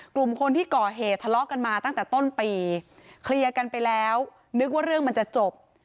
กลุ่มคนที่ก่อเหตุทะเลาะกันมาตั้งแต่ต้นปีเคลียร์กันไปแล้วนึกว่าเรื่องมันจะจบ